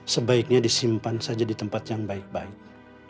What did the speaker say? sebaiknya disimpan saja di tempat yang baik baik